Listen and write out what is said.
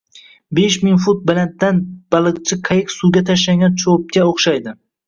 Besh ming fut balanddan baliqchi qayiq suvga tashlangan cho‘pga o‘xshaydi